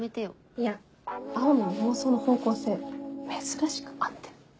いや青野の妄想の方向性珍しく合ってる。